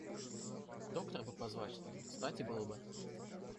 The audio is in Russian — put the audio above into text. Доктора бы позвать, кстати было бы.